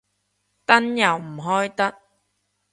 燈又唔開得